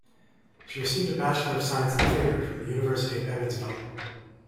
She received a Bachelor of Science in Theatre from the University of Evansville.